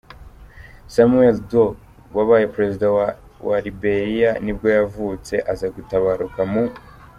Samuel Doe, wabaye perezida wa wa Liberiya nibwo yavutse, aza gutabaruka mu .